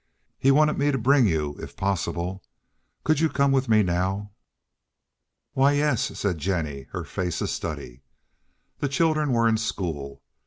He wanted me to bring you, if possible. Could you come with me now?" "Why yes," said Jennie, her face a study. The children were in school.